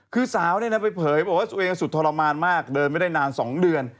คือสาวเนี่ยนะไปเผยบอกว่าตัวเองสุดทรมานมากเดินไม่ได้นาน๒เดือน